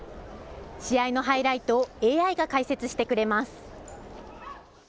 試合のハイライトをＡＩが解説してくれます。